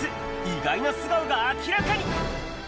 意外な素顔が明らかに。